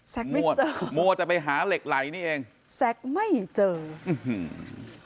แซ็คไม่เจอมวดจะไปหาเหล็กไหลนี่เองแซ็คไม่เจออืม